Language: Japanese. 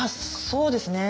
そうですね。